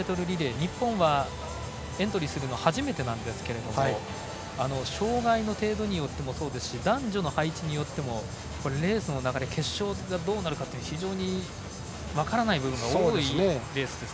日本はエントリーするの初めてなんですが障がいの程度によってもそうですし男女の配置によってもレースの流れ決勝がどうなるか非常に分からない部分が多いレースです。